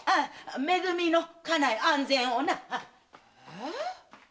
め組の家内安全をな。